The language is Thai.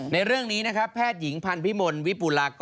ในเรื่องนี้นะครับแพทย์หญิงพันธ์พิมลวิปุลากร